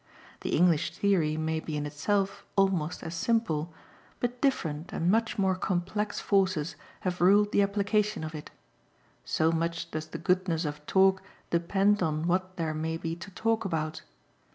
The English theory may be in itself almost as simple, but different and much more complex forces have ruled the application of it; so much does the goodness of talk depend on what there may be to talk about.